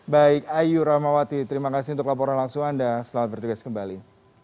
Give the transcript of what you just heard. baik ayu rahmawati terima kasih untuk laporan langsung anda selamat bertugas kembali